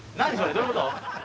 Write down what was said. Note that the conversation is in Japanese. どういうこと？